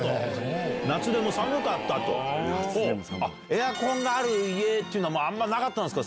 エアコンがある家っていうのはあんまなかったんすか？